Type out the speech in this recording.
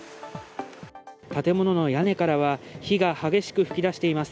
建物の屋根からは、火が激しく噴き出しています。